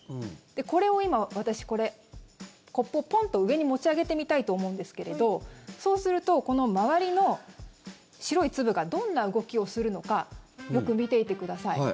これを今、私、コップをポンッと上に持ち上げてみたいと思うんですけれどそうすると、この周りの白い粒がどんな動きをするのかよく見ていてください。